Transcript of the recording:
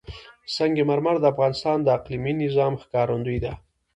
سنگ مرمر د افغانستان د اقلیمي نظام ښکارندوی ده.